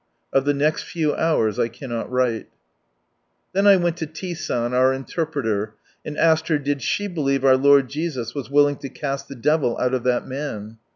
Of the next few hours 1 cannot write. Then I went to T. San our interpreter, and asked her, did she believe our Lord Jesus was willing to cast the devil out of that man.